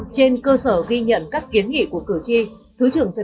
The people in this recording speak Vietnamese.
trên cơ sở ghi nhận các kiến nghị của cử tri